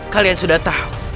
kalian sudah tahu